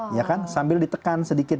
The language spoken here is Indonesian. ya kan sambil ditekan sedikit